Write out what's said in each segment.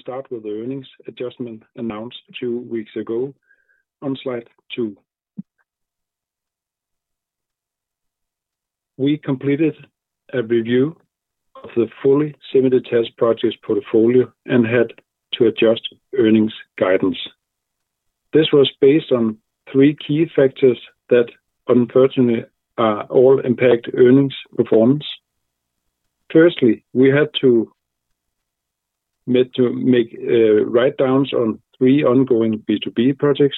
We start with the earnings adjustment announced two weeks ago. On slide two. We completed a review of the fully submitted test project's portfolio and had to adjust earnings guidance. This was based on three key factors that, unfortunately, all impact earnings performance. Firstly, we had to make write-downs on three ongoing B2B projects.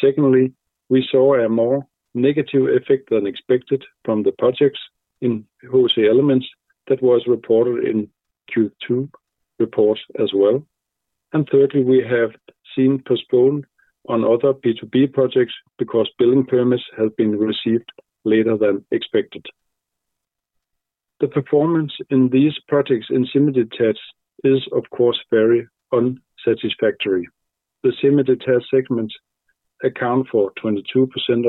Secondly, we saw a more negative effect than expected from the projects in HC Elements that was reported in Q2 reports as well. Thirdly, we have seen postponement on other B2B projects because building permits have been received later than expected. The performance in these projects in submitted tests is, of course, very unsatisfactory. The submitted test segments account for 22%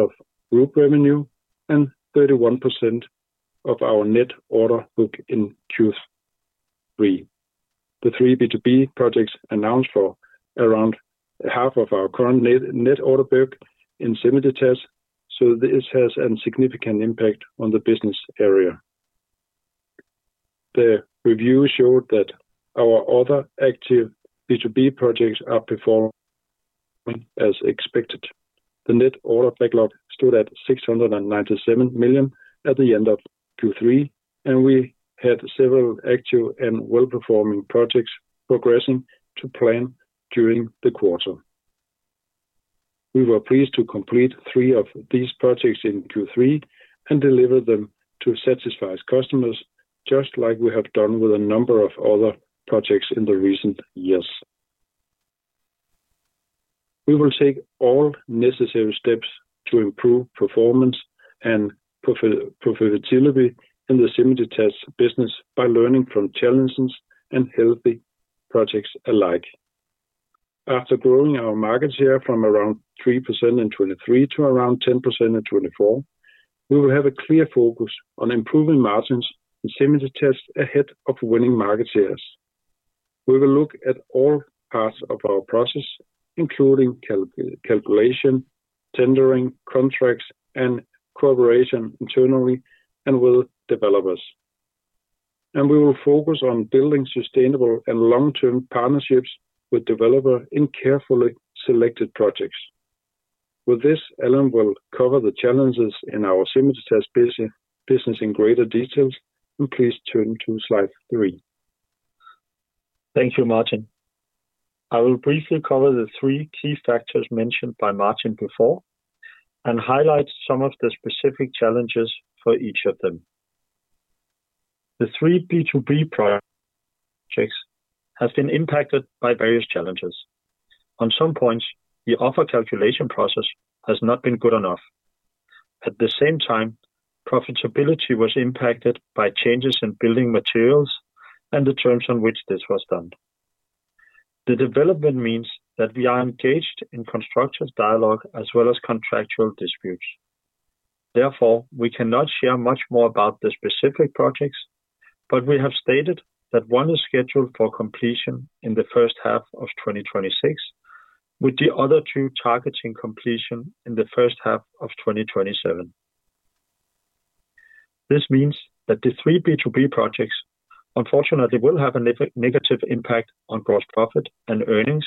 of group revenue and 31% of our net order [book] in Q3. The three B2B projects announced for around half of our current net order backlog in submitted tests, so this has a significant impact on the business area. The review showed that our other active B2B projects are [performing] as expected. The net order backlog stood at 697 million at the end of Q3, and we had several active and well-performing projects progressing to plan during the quarter. We were pleased to complete three of these projects in Q3 and deliver them to satisfied customers, just like we have done with a number of other projects in recent years. We will take all necessary steps to improve performance and profitability in the submitted test business by learning from challenges and healthy projects alike. After growing our market share from around 3% in 2023 to around 10% in 2024, we will have a clear focus on improving margins in submitted tests ahead of winning market shares. We will look at all parts of our process, including calculation, tendering, contracts, and cooperation internally and with developers. We will focus on building sustainable and long-term partnerships with developers in carefully selected projects. With this, Allan will cover the challenges in our submitted test business in greater detail. Please turn to slide three. Thank you, Martin. I will briefly cover the three key factors mentioned by Martin before. I will highlight some of the specific challenges for each of them. The three B2B projects have been impacted by various challenges. On some points, the offer calculation process has not been good enough. At the same time, profitability was impacted by changes in building materials and the terms on which this was done. The development means that we are engaged in construction dialogue as well as contractual disputes. Therefore, we cannot share much more about the specific projects, but we have stated that one is scheduled for completion in the first half of 2026, with the other two targeting completion in the first half of 2027. This means that the three B2B projects, unfortunately, will have a negative impact on gross profit and earnings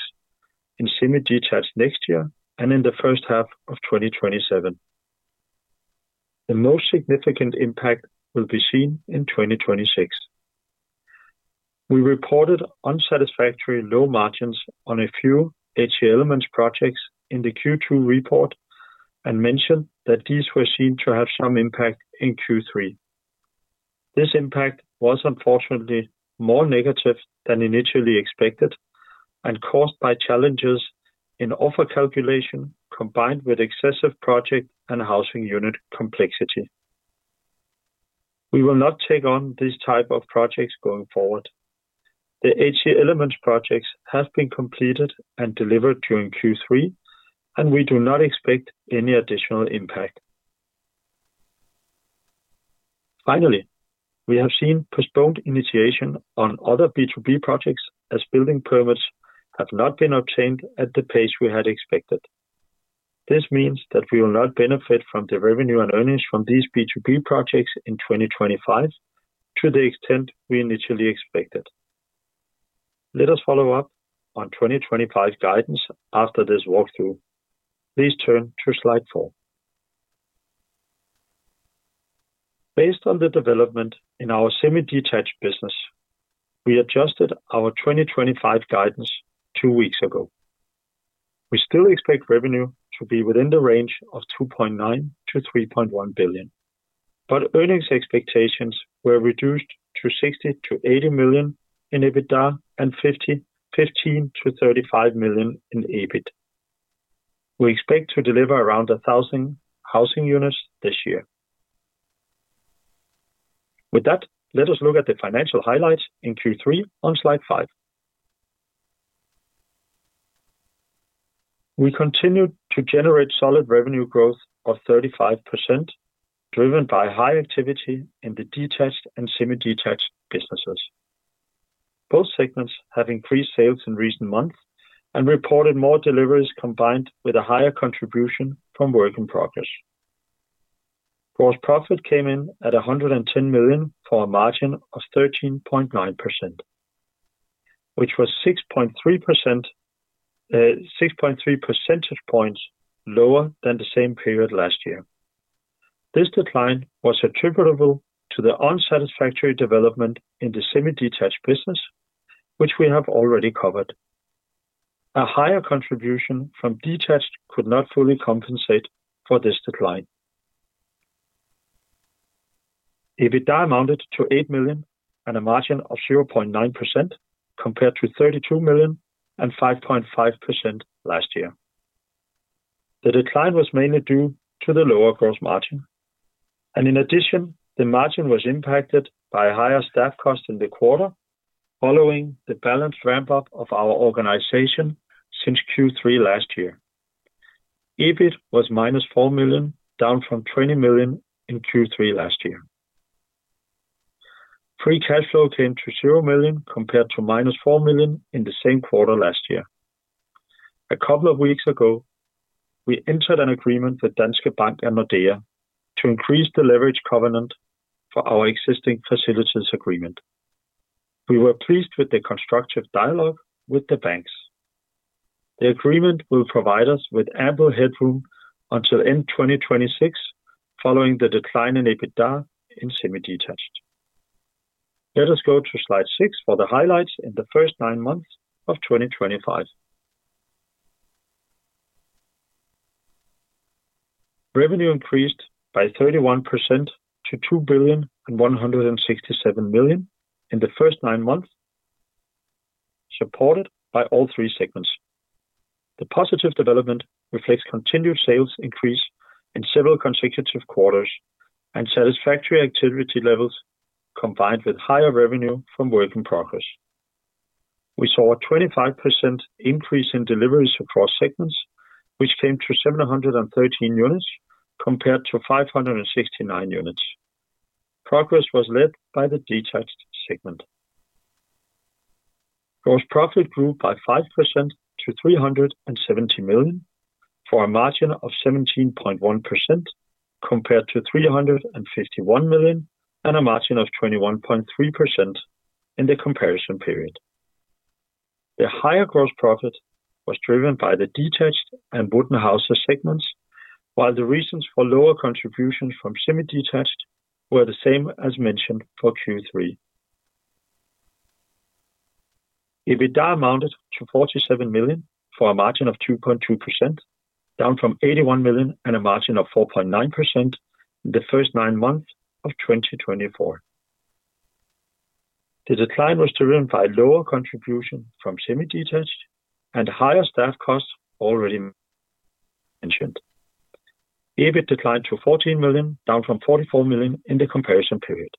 in submitted tests next year and in the first half of 2027. The most significant impact will be seen in 2026. We reported unsatisfactory low margins on a few HC Elements projects in the Q2 report and mentioned that these were seen to have some impact in Q3. This impact was, unfortunately, more negative than initially expected and caused by challenges in offer calculation combined with excessive project and housing unit complexity. We will not take on this type of projects going forward. The HC Elements projects have been completed and delivered during Q3, and we do not expect any additional impact. Finally, we have seen postponed initiation on other B2B projects as building permits have not been obtained at the pace we had expected. This means that we will not benefit from the revenue and earnings from these B2B projects in 2025 to the extent we initially expected. Let us follow up on 2025 guidance after this walkthrough. Please turn to slide four. Based on the development in our submitted test business, we adjusted our 2025 guidance two weeks ago. We still expect revenue to be within the range of 2.9 billion-3.1 billion, but earnings expectations were reduced to 60 million-80 million in EBITDA and 15 million-35 million in EBIT. We expect to deliver around 1,000 housing units this year. With that, let us look at the financial highlights in Q3 on slide five. We continued to generate solid revenue growth of 35%, driven by high activity in the detached and semi-detached businesses. Both segments have increased sales in recent months and reported more deliveries combined with a higher contribution from work in progress. Gross profit came in at 110 million for a margin of 13.9%, which was 6.3 percentage points lower than the same period last year. This decline was attributable to the unsatisfactory development in the semi-detached business, which we have already covered. A higher contribution from detached could not fully compensate for this decline. EBITDA amounted to 8 million and a margin of 0.9% compared to 32 million and 5.5% last year. The decline was mainly due to the lower gross margin. In addition, the margin was impacted by higher staff costs in the quarter, following the balance ramp-up of our organization since Q3 last year. EBIT was -4 million, down from 20 million in Q3 last year. Free cash flow came to 0 million compared to -4 million in the same quarter last year. A couple of weeks ago, we entered an agreement with Danske Bank and Nordea to increase the leverage covenant for our existing facilities agreement. We were pleased with the constructive dialogue with the banks. The agreement will provide us with ample headroom until end 2026, following the decline in EBITDA in semi-detached. Let us go to slide six for the highlights in the first nine months of 2025. Revenue increased by 31% to 2 billion and 167 million in the first nine months, supported by all three segments. The positive development reflects continued sales increase in several consecutive quarters and satisfactory activity levels combined with higher revenue from work in progress. We saw a 25% increase in deliveries across segments, which came to 713 units compared to 569 units. Progress was led by the detached segment. Gross profit grew by 5% to 370 million for a margin of 17.1% compared to 351 million and a margin of 21.3% in the comparison period. The higher gross profit was driven by the detached and wooden houses segments, while the reasons for lower contributions from semi-detached were the same as mentioned for Q3. EBITDA amounted to 47 million for a margin of 2.2%, down from 81 million and a margin of 4.9% in the first nine months of 2024. The decline was driven by lower contribution from semi-detached and higher staff costs already mentioned. EBIT declined to 14 million, down from 44 million in the comparison period.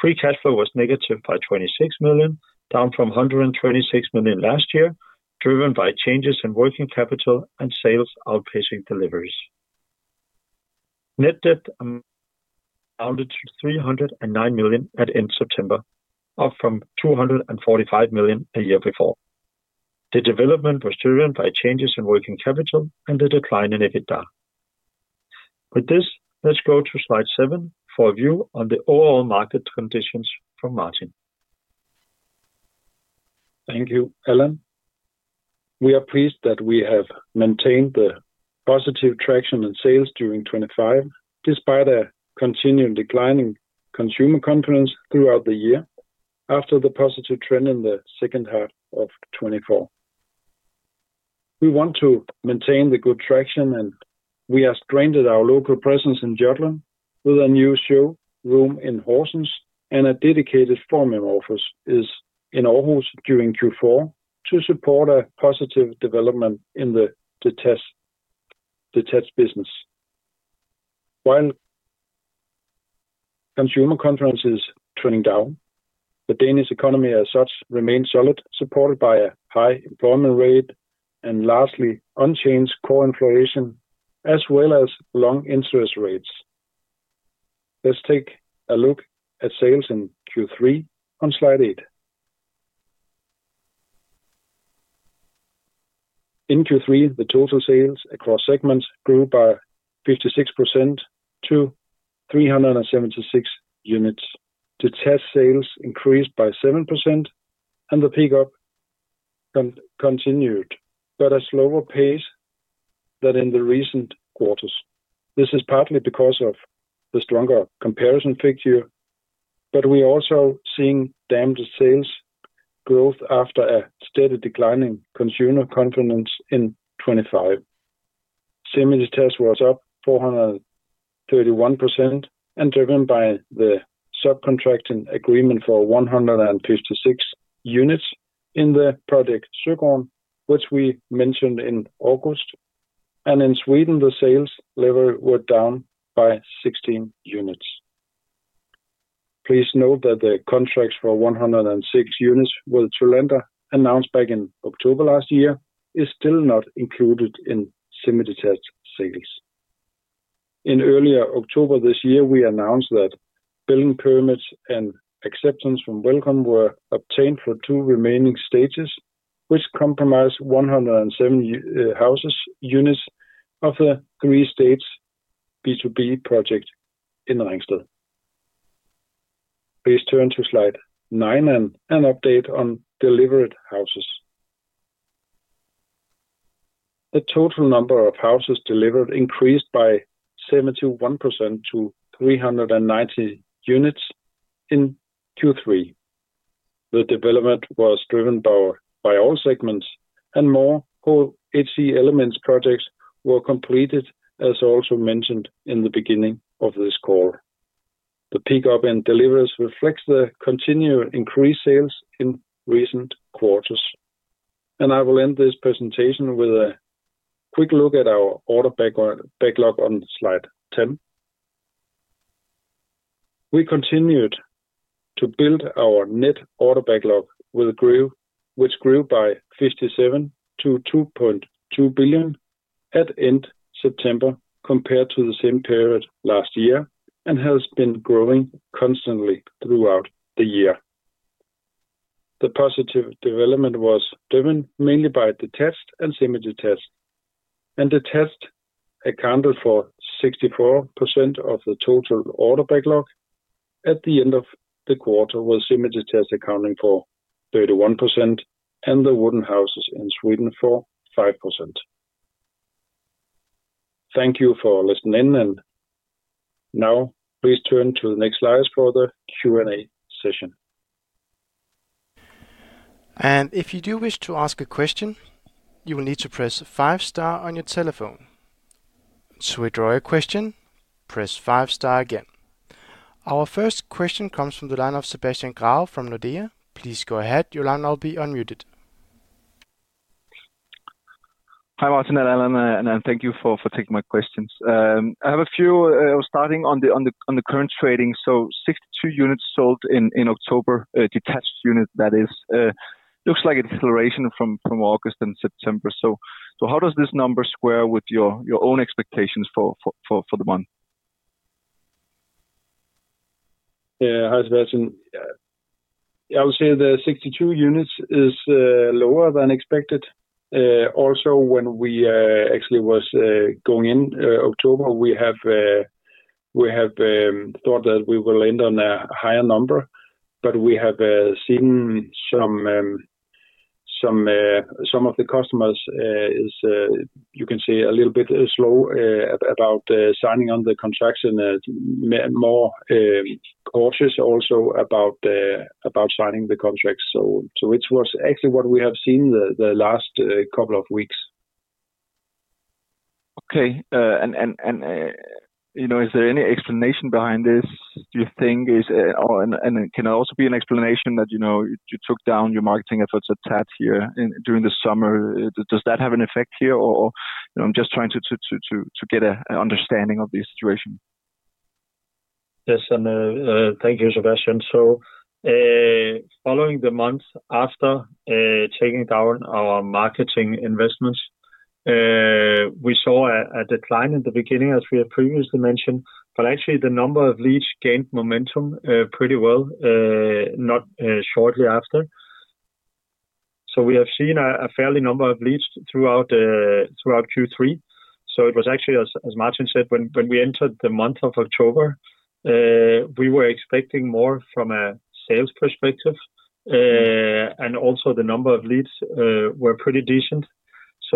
Free cash flow was negative by 26 million, down from 126 million last year, driven by changes in working capital and sales outpacing deliveries. Net debt amounted to 309 million at end September, up from 245 million a year before. The development was driven by changes in working capital and the decline in EBITDA. With this, let's go to slide seven for a view on the overall market conditions from Martin. Thank you, Allan. We are pleased that we have maintained the positive traction in sales during 2025, despite a continuing decline in consumer confidence throughout the year after the positive trend in the second half of 2024. We want to maintain the good traction, and we have strengthened our local presence in Jutland with a new showroom in Horsens, and a dedicated forming office is in Aarhus during Q4 to support a positive development in the detached business. While consumer confidence is trending down, the Danish economy as such remains solid, supported by a high employment rate and largely unchanged core inflation, as well as long interest rates. Let's take a look at sales in Q3 on slide eight. In Q3, the total sales across segments grew by 56% to 376 units. Detached sales increased by 7%, and the pickup. Continued, but at a slower pace than in the recent quarters. This is partly because of the stronger comparison figure, but we are also seeing damaged sales growth after a steady declining consumer confidence in 2025. Semi-detached was up 431% and driven by the subcontracting agreement for 156 units in the project Søgården, which we mentioned in August. In Sweden, the sales level went down by 16 units. Please note that the contracts for 106 units with [Thylander], announced back in October last year, are still not included in semi-detached sales. In early October this year, we announced that building permits and acceptance from Velkomn were obtained for two remaining stages, which comprised 107 house units of the three-stage B2B project in Ringsted. Please turn to slide nine and an update on delivered houses. The total number of houses delivered increased by 71% to 390 units in Q3. The development was driven by all segments, and more HC Elements projects were completed, as also mentioned in the beginning of this call. The pickup in deliveries reflects the continued increase in sales in recent quarters. I will end this presentation with a quick look at our order backlog on slide 10. We continued to build our net order backlog with growth, which grew by 57% to 2.2 billion at end September compared to the same period last year and has been growing constantly throughout the year. The positive development was driven mainly by detached and semi-detached. Detached accounted for 64% of the total order backlog. At the end of the quarter, semi-detached accounted for 31%, and the wooden houses in Sweden for 5%. Thank you for listening in. Please turn to the next slides for the Q&A session. If you do wish to ask a question, you will need to press five-star on your telephone. To withdraw a question, press five-star again. Our first question comes from the line of [Sebastian Kraut] from Nordea. Please go ahead, you are now unmuted. Hi, Martin, and Allan, and thank you for taking my questions. I have a few starting on the current trading. So 62 units sold in October, detached units, that is. Looks like an acceleration from August and September. How does this number square with your own expectations for the month? Yeah, hi, Sebastian. I would say the 62 units is lower than expected. Also, when we actually were going in October, we thought that we will end on a higher number, but we have seen some of the customers. You can see a little bit slow about signing on the contracts and more cautious also about signing the contracts. So it was actually what we have seen the last couple of weeks. Okay. Is there any explanation behind this, do you think? Can it also be an explanation that you took down your marketing efforts at TAT here during the summer? Does that have an effect here? I'm just trying to get an understanding of the situation. Yes, and thank you, Sebastian. Following the month after taking down our marketing investments, we saw a decline in the beginning, as we have previously mentioned, but actually the number of leads gained momentum pretty well not shortly after. We have seen a fairly number of leads throughout Q3. It was actually, as Martin said, when we entered the month of October, we were expecting more from a sales perspective. Also, the number of leads were pretty decent.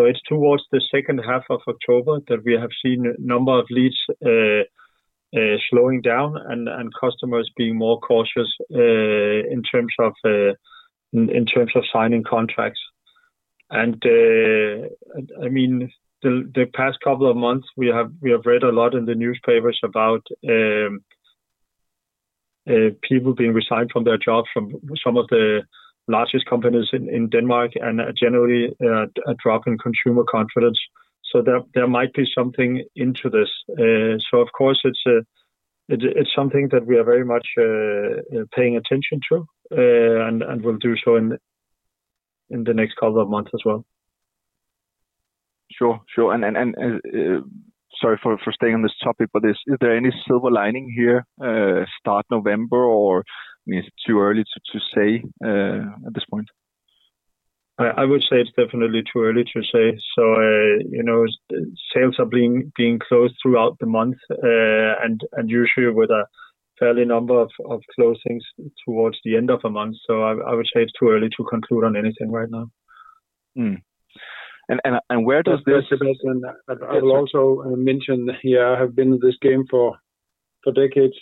It is towards the second half of October that we have seen a number of leads slowing down and customers being more cautious in terms of signing contracts. I mean, the past couple of months, we have read a lot in the newspapers about people being resigned from their jobs from some of the largest companies in Denmark and generally a drop in consumer confidence. There might be something into this. Of course, it's something that we are very much paying attention to and will do so in the next couple of months as well. Sure, sure. Sorry for staying on this topic, but is there any silver lining here? Start November or it's too early to say at this point? I would say it's definitely too early to say. Sales are being closed throughout the month and usually with a fair number of closings towards the end of the month. I would say it's too early to conclude on anything right now. Where does this? I will also mention here, I have been in this game for decades.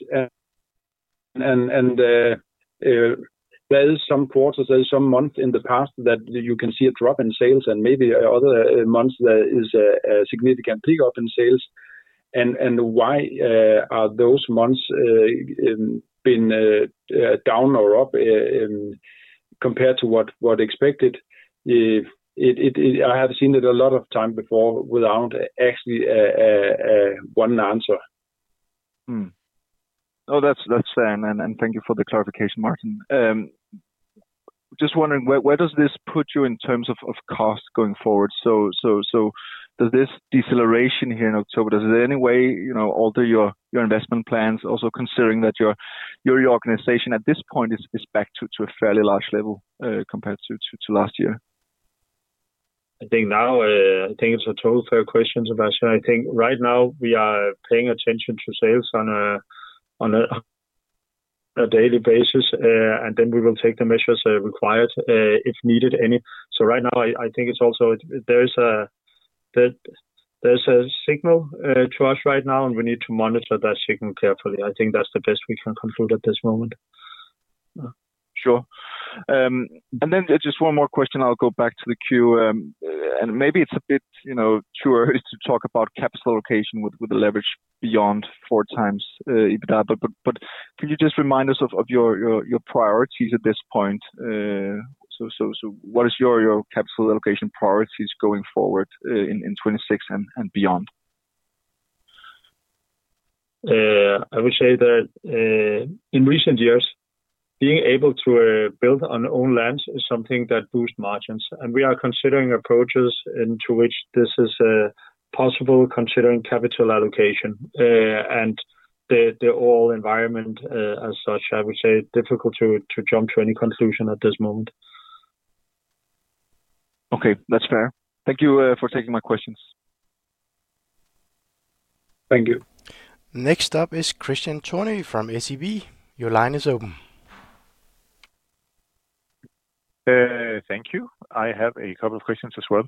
There is some quarters, there is some month in the past that you can see a drop in sales and maybe other months there is a significant pickup in sales. Why are those months been down or up compared to what expected? I have seen it a lot of times before without actually one answer. No, that's fair. Thank you for the clarification, Martin. Just wondering, where does this put you in terms of cost going forward? Does this deceleration here in October, does it in any way alter your investment plans, also considering that your organization at this point is back to a fairly large level compared to last year? I think now, I think it's a totally fair question, Sebastian. I think right now we are paying attention to sales on a daily basis, and then we will take the measures required if needed. Right now, I think it's also there's a signal to us right now, and we need to monitor that signal carefully. I think that's the best we can conclude at this moment. Sure. And then just one more question, I'll go back to the queue. And maybe it's a bit too early to talk about capital allocation with a leverage beyond 4x EBITDA, but can you just remind us of your priorities at this point? So what is your capital allocation priorities going forward in 2026 and beyond? I would say that in recent years, being able to build on own lands is something that boosts margins. We are considering approaches into which this is possible, considering capital allocation. The whole environment as such, I would say it's difficult to jump to any conclusion at this moment. Okay, that's fair. Thank you for taking my questions. Thank you. Next up is [Christian Toni] from SEB. Your line is open. Thank you. I have a couple of questions as well.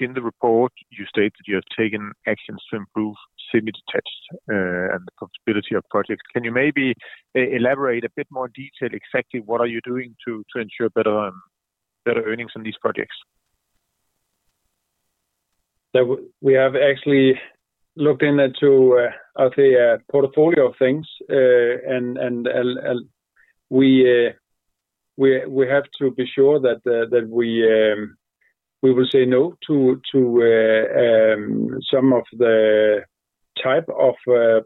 In the report, you state that you have taken actions to improve semi-detached and the profitability of projects. Can you maybe elaborate a bit more detail exactly what are you doing to ensure better earnings on these projects? We have actually looked into a portfolio of things. We have to be sure that we will say no to some of the type of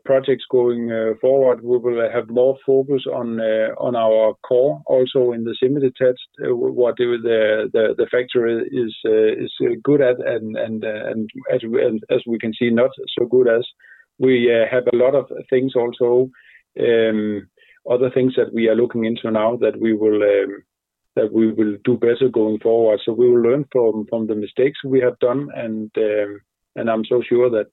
projects going forward. We will have more focus on our core also in the semi-detached, what the factory is good at, and as we can see, not so good as we have a lot of things also. Other things that we are looking into now that we will do better going forward. We will learn from the mistakes we have done. I'm so sure that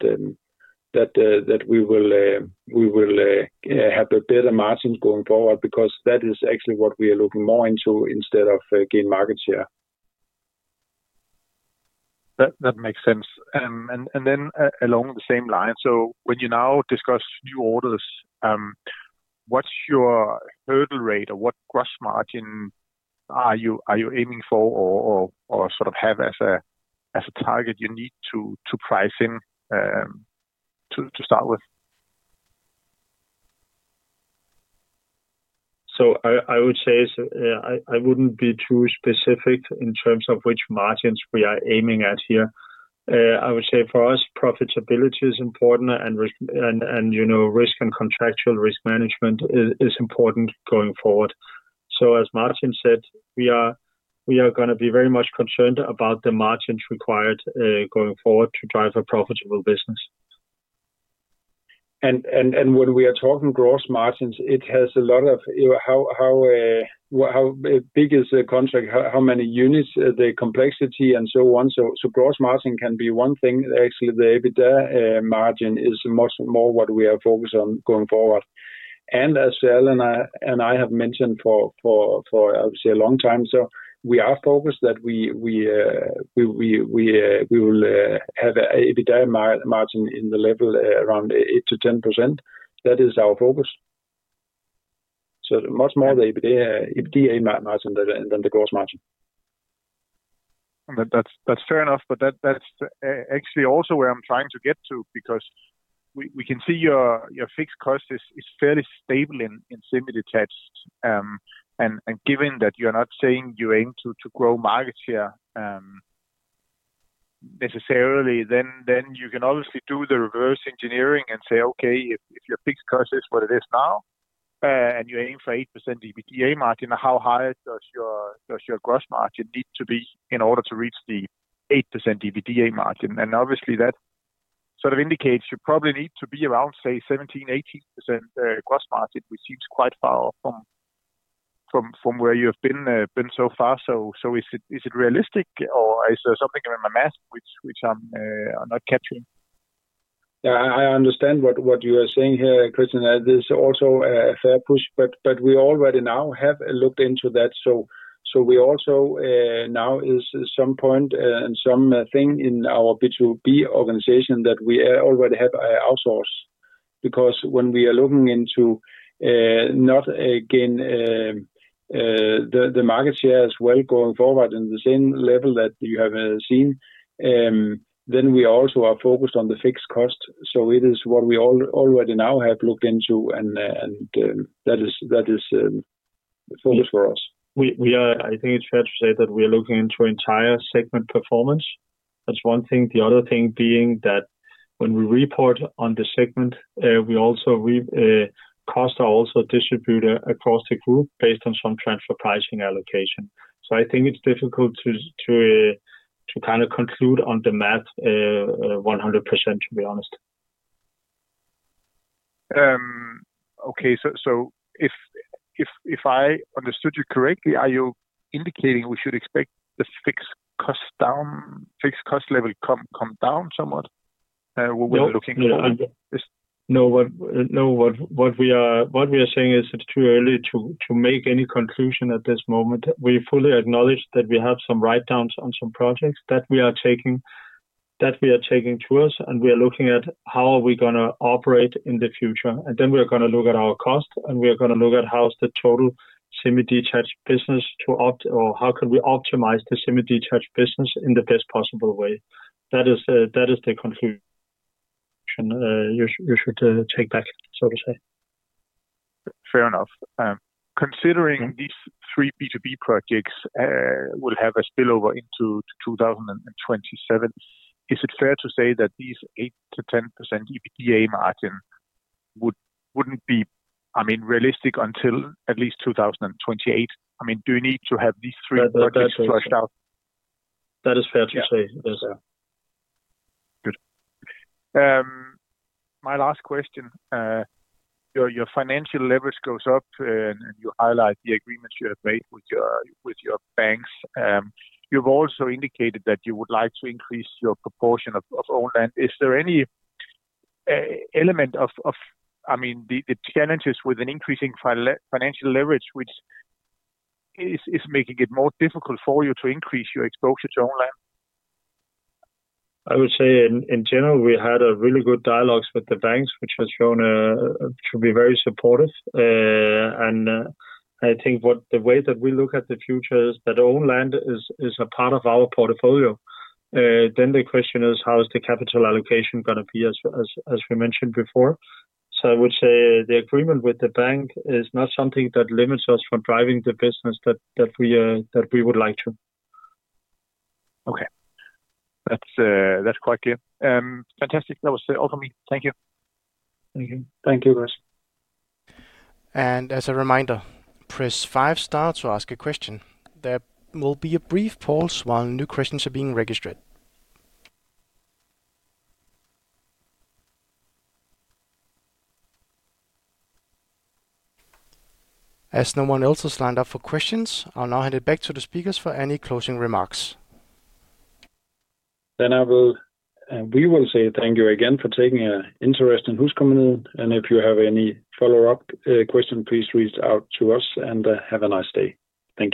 we will have better margins going forward because that is actually what we are looking more into instead of gaining market share. That makes sense. Then along the same line, when you now discuss new orders, what's your hurdle rate or what gross margin are you aiming for or sort of have as a target you need to price in to start with? I would say I would not be too specific in terms of which margins we are aiming at here. I would say for us, profitability is important, and risk and contractual risk management is important going forward. As Martin said, we are going to be very much concerned about the margins required going forward to drive a profitable business. When we are talking gross margins, it has a lot of how big is the contract, how many units, the complexity, and so on. Gross margin can be one thing. Actually, the EBITDA margin is much more what we are focused on going forward. As Allan and I have mentioned for, I would say, a long time, we are focused that we will have an EBITDA margin in the level around 8%-10%. That is our focus. So much more the EBITDA margin than the gross margin. That's fair enough, but that's actually also where I'm trying to get to because we can see your fixed cost is fairly stable in semi-detached. And given that you're not saying you aim to grow market share. Necessarily, then you can obviously do the reverse engineering and say, "Okay, if your fixed cost is what it is now. And you aim for 8% EBITDA margin, how high does your gross margin need to be in order to reach the 8% EBITDA margin?" And obviously, that sort of indicates you probably need to be around, say, 17%-18% gross margin, which seems quite far from. Where you have been so far. So is it realistic, or is there something in my math which I'm not catching? Yeah, I understand what you are saying here, Christian. That is also a fair push, but we already now have looked into that. We also now at some point and something in our B2B organization that we already have outsourced. Because when we are looking into, not again, the market share as well going forward in the same level that you have seen, we also are focused on the fixed cost. It is what we already now have looked into, and that is the focus for us. I think it's fair to say that we are looking into entire segment performance. That's one thing. The other thing being that when we report on the segment, costs are also distributed across the group based on some transfer pricing allocation. I think it's difficult to kind of conclude on the math 100%, to be honest. Okay, so if I understood you correctly, are you indicating we should expect the fixed cost level to come down somewhat? What we're looking for? No, what we are saying is it's too early to make any conclusion at this moment. We fully acknowledge that we have some write-downs on some projects that we are taking to us, we are looking at how are we going to operate in the future. We are going to look at our cost, and we are going to look at how's the total semi-detached business to opt, or how can we optimize the semi-detached business in the best possible way. That is the conclusion you should take back, so to say. Fair enough. Considering these three B2B projects will have a spillover into 2027, is it fair to say that these 8%-10% EBITDA margin wouldn't be, I mean, realistic until at least 2028? I mean, do you need to have these three projects flushed out? That is fair to say. Yes. Good. My last question. Your financial leverage goes up, and you highlight the agreements you have made with your banks. You've also indicated that you would like to increase your proportion of own land. Is there any element of, I mean, the challenges with an increasing financial leverage, which is making it more difficult for you to increase your exposure to own land? I would say, in general, we had really good dialogues with the banks, which have shown to be very supportive. I think the way that we look at the future is that own land is a part of our portfolio. The question is, how is the capital allocation going to be, as we mentioned before? I would say the agreement with the bank is not something that limits us from driving the business that we would like to. Okay. That's quite clear. Fantastic. That was it all for me. Thank you. Thank you. Thank you, guys. As a reminder, press five star to ask a question. There will be a brief pause while new questions are being registered. As no one else has lined up for questions, I'll now hand it back to the speakers for any closing remarks. Thank you again for taking an interest in HusCompagniet. If you have any follow-up questions, please reach out to us and have a nice day. Thank you.